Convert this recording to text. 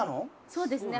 そうですね。